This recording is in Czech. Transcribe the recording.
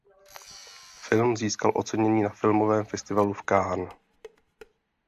Film získal ocenění na Filmovém festivalu v Cannes.